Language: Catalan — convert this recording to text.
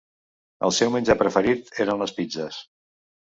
El seu menjar preferit eren les pizzes.